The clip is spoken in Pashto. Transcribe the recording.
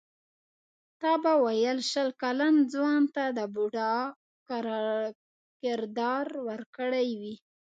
تا به ویل شل کلن ځوان ته د بوډا کردار ورکړی وي.